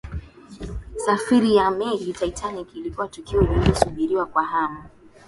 safari ya meli ya titanic ilikuwa tukio lililosubiriwa kwa hamu